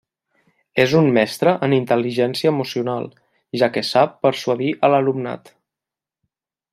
És un mestre en intel·ligència emocional, ja que sap persuadir a l'alumnat.